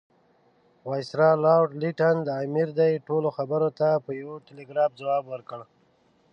وایسرا لارډ لیټن د امیر دې ټولو خبرو ته په یو ټلګراف ځواب ورکړ.